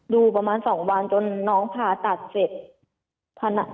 ดูประมาณ๒วันจนน้องผ่าตัดเสร็จ